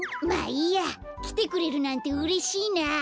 まあいいやきてくれるなんてうれしいな。